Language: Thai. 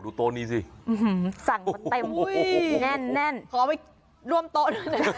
โหนี่โต๊ะนี้สิอือฮือสั่งมาเต็มอุ้ยแน่นแน่นขอไปร่วมโต๊ะด้วยหน่อย